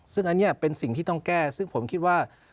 ซึ่งอันนี้เป็นสิ่งที่ต้องแก้ซึ่งผมคิดว่า